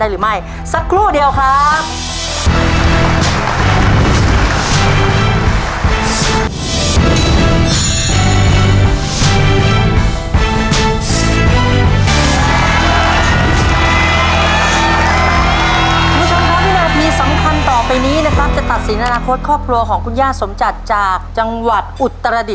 เลี้ยงเป็ดเหรอ